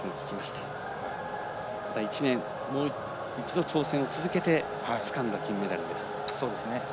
ただ１年、もう一度挑戦を続けてつかんだ金メダルです。